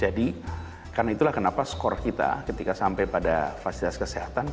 jadi karena itulah kenapa skor kita ketika sampai pada fasilitas kesehatan